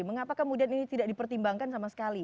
mengapa kemudian ini tidak dipertimbangkan sama sekali